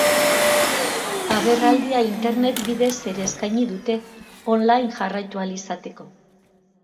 Agerraldia internet bidez ere eskaini dute, online jarraitu ahal izateko.